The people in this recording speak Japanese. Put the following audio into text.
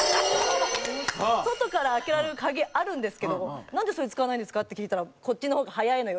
外から開けられる鍵あるんですけど「なんでそれ使わないんですか？」って聞いたら「こっちの方が速いのよ」